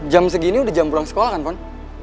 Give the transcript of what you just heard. jam segini udah jam pulang sekolah kan